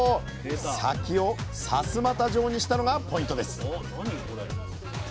先を「さすまた状」にしたのがポイントです